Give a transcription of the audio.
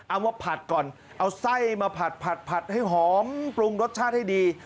มาผัดก่อนเอาไส้มาผัดให้หอมปรุงรสชาติให้ดี